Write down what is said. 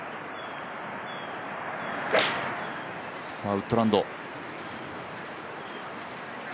ウッドランド。